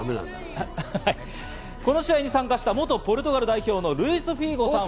この試合に参加した元ポルトガル代表のルイス・フィーゴさん。